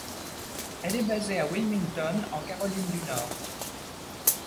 Elle est basée à Wilmington en Caroline du Nord.